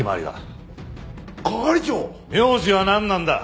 名字はなんなんだ！？